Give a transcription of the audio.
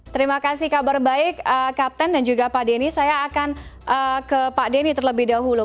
terima kasih kabar baik kapten dan juga pak denny saya akan ke pak denny terlebih dahulu